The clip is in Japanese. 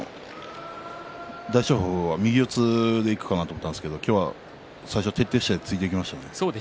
大翔鵬は右四つでいくかなと思ったんですが今日は徹底して突いていきましたね。